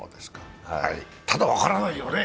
ただ、分からないよね。